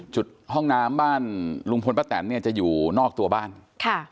จุดห้องน้ำบ้านลุงพลป้าแตนเนี่ยจะอยู่นอกตัวบ้านค่ะ